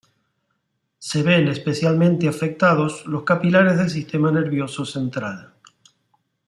Se ven especialmente afectados los capilares del sistema nervioso central.